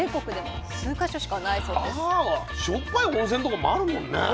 あしょっぱい温泉とかもあるもんね。